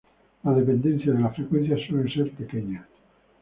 La dependencia de la frecuencia suele ser pequeña.